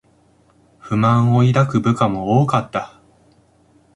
不満を抱く部下も多かった